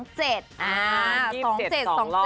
เลขจะเป็นลดอะไรนะสักครู่